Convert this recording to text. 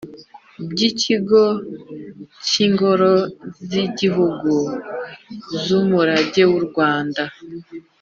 by Ikigo cy Ingoro z Igihugu z Umurage w urwanda